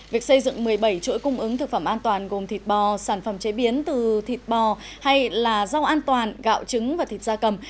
việc xây dựng một mươi bảy chuỗi cung ứng thực phẩm an toàn gồm thịt bò sản phẩm chế biến từ thịt bò hay là rau an toàn gạo trứng và thịt da cầm